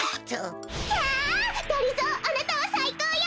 キャがりぞーあなたはさいこうよ！